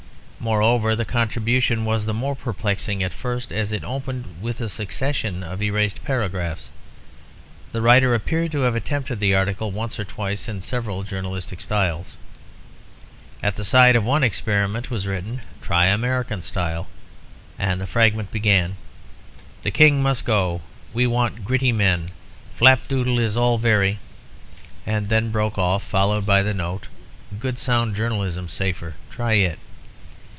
Moreover, the contribution was the more perplexing at first, as it opened with a succession of erased paragraphs. The writer appeared to have attempted the article once or twice in several journalistic styles. At the side of one experiment was written, "Try American style," and the fragment began "The King must go. We want gritty men. Flapdoodle is all very ...;" and then broke off, followed by the note, "Good sound journalism safer. Try it."